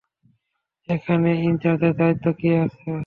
এখানে ইনচার্জের দায়িত্বে কে আছে?